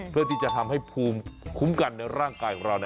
เพื่อที่จะทำให้ภูมิคุ้มกันในร่างกายของเรา